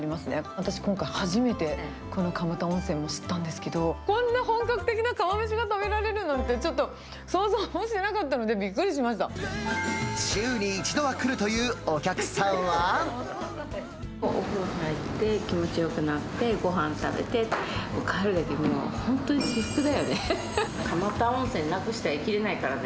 私、今回、初めてこの蒲田温泉を知ったんですけど、こんな本格的な釜めしが食べられるなんて、ちょっと想像もしなかったのでび週に１度は来るというお客さお風呂に入って、気持ちよくなって、ごはん食べて、帰るときにはもう、本当に至福だよね。